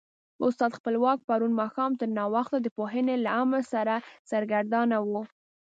استاد خپلواک پرون ماښام تر ناوخته د پوهنې له امر سره سرګردانه و.